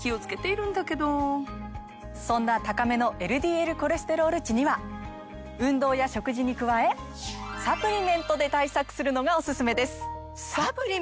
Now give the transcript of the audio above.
そんな高めのＬＤＬコレステロール値には運動や食事に加えサプリメントで対策するのがオススメです。